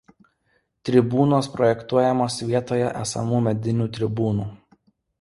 Tribūnos projektuojamos vietoje esamų medinių tribūnų.